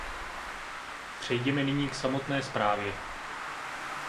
Přejděme nyní k samotné zprávě.